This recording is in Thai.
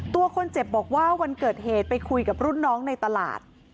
ตัวคนเจ็บบอกว่าวันเกิดเหตุไปคุยกับรุ่นน้องในตลาด